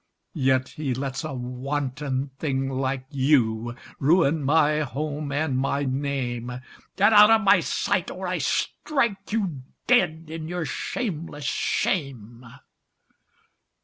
Yet he lets a wanton thing like you Ruin my home and my name! Get out of my sight or I strike you Dead in your shameless shame!